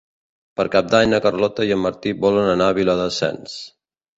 Per Cap d'Any na Carlota i en Martí volen anar a Viladasens.